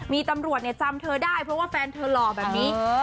มีตำรวจจำเธอได้เพราะว่าแฟนเธอหล่อแบบนี้